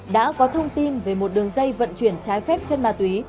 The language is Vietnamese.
đã có thông tin về một đường dây vận chuyển trái phép chân ma túy